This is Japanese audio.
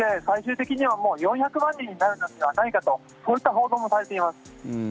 最終的には４００万人になるのではないかとそういった報道もされています。